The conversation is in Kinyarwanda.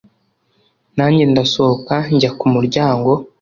nanjye ndasohoka njya ku muryango